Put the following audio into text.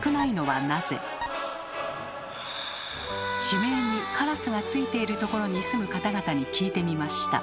地名に「烏」がついているところに住む方々に聞いてみました。